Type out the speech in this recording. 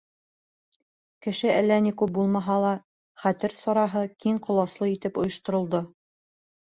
Кеше әллә ни күп булмаһа ла, хәтер сараһы киң ҡоласлы итеп ойошторолдо.